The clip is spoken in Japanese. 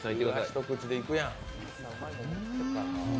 一口でいくやん。